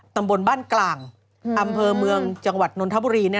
ตำบลบ้านกลางอำเภอเมืองจังหวัดนนทบุรี